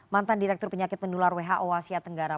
mantan direktur penyakit pendular who asia tenggara